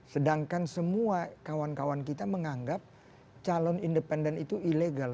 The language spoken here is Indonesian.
sedangkan semua kawan kawan kita menganggap calon independen itu ilegal